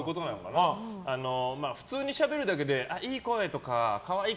普通にしゃべるだけでいい声！とか可愛い！